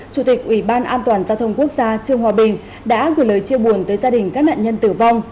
chủ tịch ủy ban an toàn giao thông quốc gia trương hòa bình đã gửi lời chia buồn tới gia đình các nạn nhân tử vong